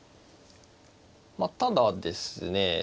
まあただですね